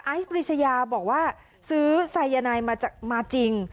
ปริชยาบอกว่าซื้อไซยานายมาจริง